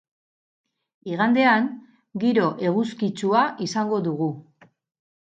Igandean, giro eguzkitsua izango dugu.